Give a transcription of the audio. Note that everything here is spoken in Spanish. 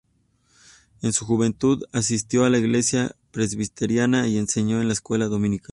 En su juventud asistió a la iglesia presbiteriana y enseñó en la escuela dominical.